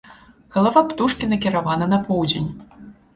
Галава птушкі накіравана на поўдзень.